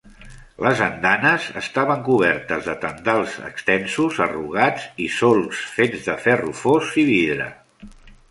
Les andanes estaven cobertes de tendals extensos arrugats i solcs fets de ferro fos i vidre.